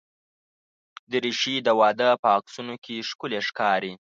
دریشي د واده په عکسونو کې ښکلي ښکاري.